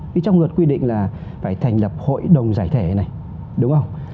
vì trong luật quy định là phải thành lập hội đồng giải thể này đúng không